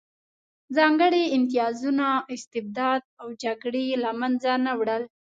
ځانګړي امتیازونه، استبداد او جګړې یې له منځه نه وړل